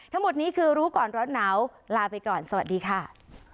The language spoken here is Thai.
ทั้งหมดนี้คือรู้ก่อนร้อนหนาวลาไปก่อนสวัสดีค่ะ